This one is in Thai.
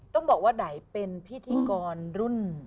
ต้องบอกว่าไหนเป็นพิธีกรรุ่น